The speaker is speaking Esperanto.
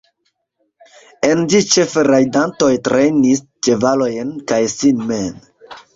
En ĝi ĉefe rajdantoj trejnis ĉevalojn kaj sin mem.